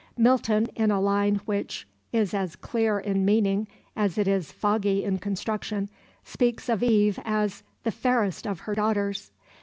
Milton, in a line which is as clear in meaning as it is foggy in construction, speaks of Eve as "the fairest of her daughters."